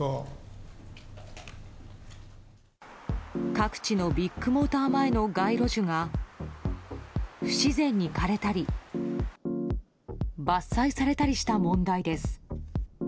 各地のビッグモーター前の街路樹が不自然に枯れたり伐採されたりした問題です。